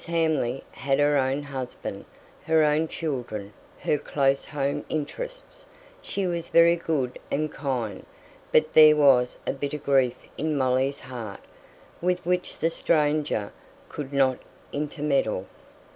Hamley had her own husband, her own children, her close home interests she was very good and kind, but there was a bitter grief in Molly's heart, with which the stranger could not intermeddle.